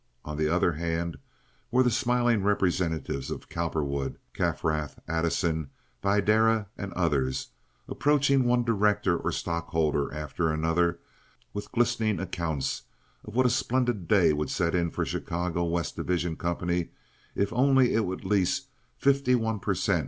On the other hand were the smiling representatives of Cowperwood, Kaifrath, Addison, Videra, and others, approaching one director or stockholder after another with glistening accounts of what a splendid day would set in for the Chicago West Division Company if only it would lease fifty one per cent.